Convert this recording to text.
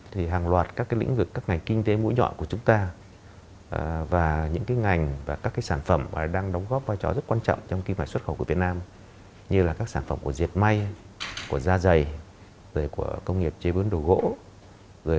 thì hàng loạt các lĩnh vực các ngành kinh tế mũi nhọn của chúng ta và những ngành và các sản phẩm đang đóng góp vai trò rất quan trọng trong kim ngạch xuất khẩu của việt nam như là các sản phẩm của diệt may của da dày rồi của công nghiệp chế biến đồ gỗ